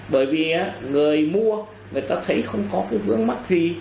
bởi vì người mua người ta thấy không có cái vướng mắc gì